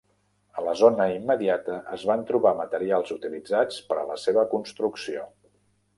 A la zona immediata es van trobar materials utilitzats per a la seva construcció.